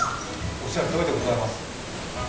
おっしゃるとおりでございます。